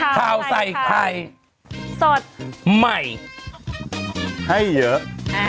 ข่าวใส่ไข่สดใหม่ให้เยอะ